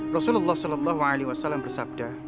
rasulullah saw bersabda